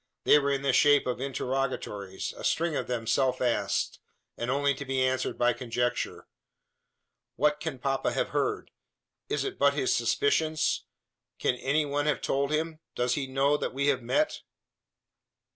They were in the shape of interrogatories a string of them self asked, and only to be answered by conjecture. "What can papa have heard? Is it but his suspicions? Can any one have told him? Does he knew that we have met?"